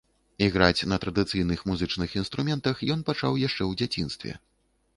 Іграць на традыцыйных музычных інструментах ён пачаў яшчэ ў дзяцінстве.